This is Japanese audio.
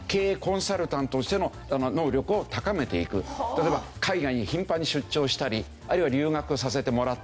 例えば海外に頻繁に出張したりあるいは留学させてもらったり。